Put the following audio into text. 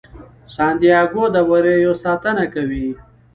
سانتیاګو د وریو ساتنه کوي.